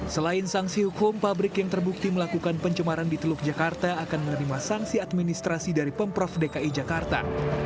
selain sanksi hukum pabrik yang terbukti melakukan pencemaran di teluk jakarta akan menerima sanksi administrasi dari pemprov dki jakarta